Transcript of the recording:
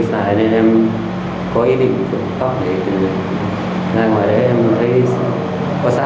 ngay ngoài đấy em thấy có sản thì em vào đấy lấy để mang đi bán